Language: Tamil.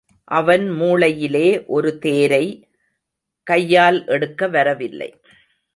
அவன் மூளையிலே ஒரு தேரை—கையால் எடுக்க வரவில்லை.